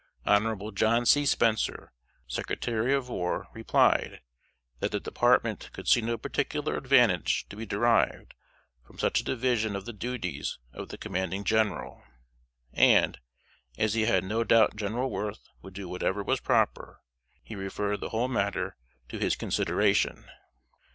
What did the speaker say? Hon. John C. Spencer, Secretary of War, replied, that the Department could see no particular advantage to be derived from such a division of the duties of the Commanding General; and, as he had no doubt General Worth would do whatever was proper, he referred the whole matter to his consideration.